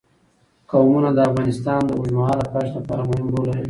قومونه د افغانستان د اوږدمهاله پایښت لپاره مهم رول لري.